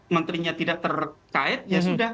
menterinya tidak terkait ya sudah